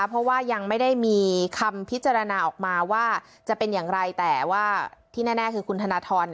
เพราะว่ายังไม่ได้มีคำพิจารณาออกมาว่าจะเป็นอย่างไรแต่ว่าที่แน่คือคุณธนทร